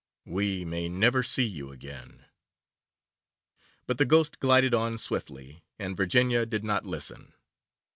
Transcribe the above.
we may never see you again,' but the Ghost glided on more swiftly, and Virginia did not listen.